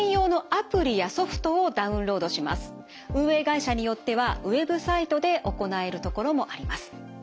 運営会社によってはＷＥＢサイトで行えるところもあります。